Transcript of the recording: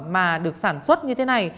mà được sản xuất như thế này